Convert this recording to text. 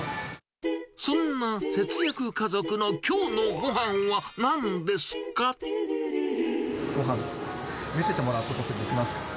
そんな節約家族のきょうのごごはん、見せてもらうことってできますか？